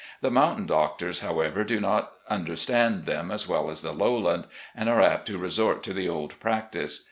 The mountain doctors, how ever, do not understand them as well as the lowland, and are apt to resort to the old practice.